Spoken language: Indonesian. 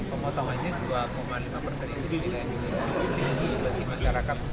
pemotongannya dua lima yang dibilang ini